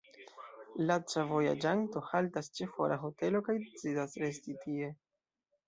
Laca vojaĝanto haltas ĉe fora hotelo kaj decidas resti tie.